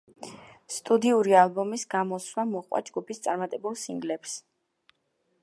სტუდიური ალბომის გამოსვლა მოჰყვა ჯგუფის წარმატებულ სინგლებს.